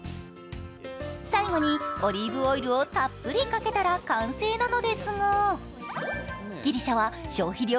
最後にオリーブオイルをたっぷりかけたら完成なのですが、ギリシャは消費量